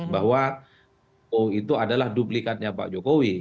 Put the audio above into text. bahwa itu adalah duplikatnya pak jokowi